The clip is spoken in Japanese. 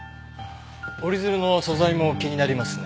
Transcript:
折り鶴の素材も気になりますね。